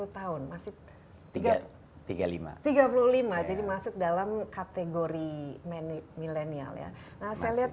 sepuluh tahun masih tiga tiga puluh lima tiga puluh lima jadi masuk dalam kategori milenial ya nah saya lihat